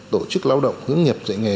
tổ chức lao động hướng nghiệp dạy nghề